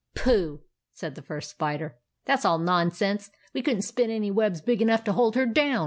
" Pooh !" said the First Spider. " That 's all nonsense. We could n't spin any webs big enough to hold her down.